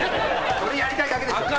それやりたいだけでしょ。